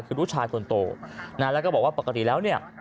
คือลูกชายคนโตนะแล้วก็บอกว่าปกติแล้วเนี่ย